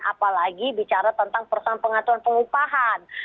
apalagi bicara tentang perusahaan pengaturan pengupahan